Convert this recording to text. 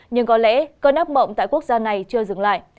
nhưng có lẽ cơn áp bộng tại quốc gia này chưa dừng lại